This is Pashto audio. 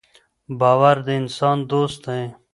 باور د انسان دوست دی.